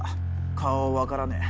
顔は分からねえ